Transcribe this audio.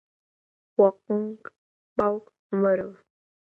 وە قنگ باوک عومەرەوە!